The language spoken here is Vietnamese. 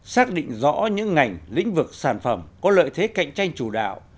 xác định rõ những ngành lĩnh vực sản phẩm có lợi thế cạnh tranh chủ đạo